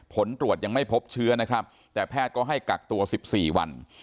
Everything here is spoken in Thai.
ผลตรวจยังไม่พบเชื้อนะครับแต่แพทย์ก็ให้กักตัว๑๔วัน